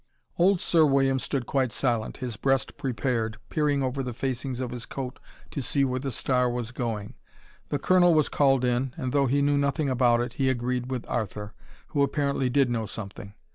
Old Sir William stood quite silent, his breast prepared, peering over the facings of his coat to see where the star was going. The Colonel was called in, and though he knew nothing about it, he agreed with Arthur, who apparently did know something.